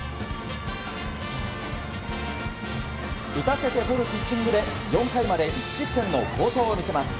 打たせてとるピッチングで４回まで１失点の好投を見せます。